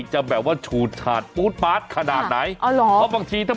จะแบบว่าชูดถาดปู๊ดปาซขนาดไหน